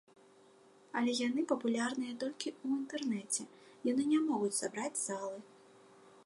Але яны папулярныя толькі ў інтэрнэце, яны не могуць сабраць залы.